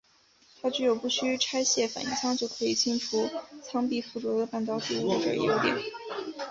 它具有不需拆卸反应舱就可以清除舱壁附着的半导体物质这一优点。